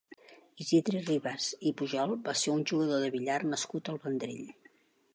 Isidre Ribas i Pujol va ser un jugador de billar nascut al Vendrell.